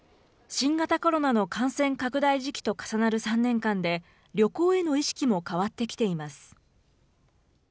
新型コロナの感染拡大時期と重なる３年間で、旅行への意識も変わってきています。